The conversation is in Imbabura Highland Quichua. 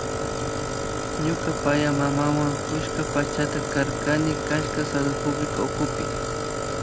Ñuka payaymamawan chusku pachata karkani utkashka Salud Pública ukupi